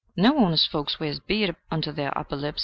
"No honest folks wears beard onto their upper lips.